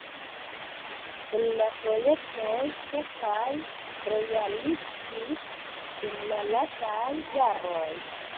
El la projektoj kelkaj realiĝis dum la lastaj jaroj.